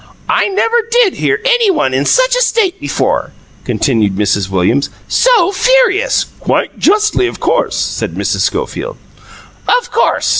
"I never did hear any one in such a state before," continued Mrs. Williams. "So furious " "Quite justly, of course," said Mrs. Schofield. "Of course.